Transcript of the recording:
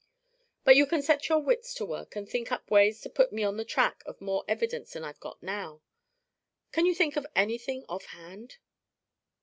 But you can set your wits to work and think up ways to put me on the track of more evidence than I've got now. Can you think of anything off hand?"